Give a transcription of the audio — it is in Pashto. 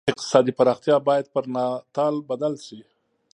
اقتصادي پراختیا باید پر ناتال بدل شي.